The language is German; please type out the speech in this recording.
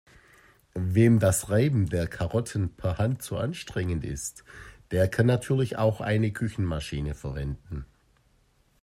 Wem das Reiben der Karotten per Hand zu anstrengend ist, der kann natürlich auch eine Küchenmaschine verwenden.